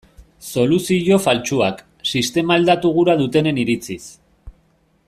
Soluzio faltsuak, sistema aldatu gura dutenen iritziz.